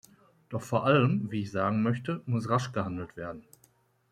Doch vor allem, wie ich sagen möchte, muss rasch gehandelt werden.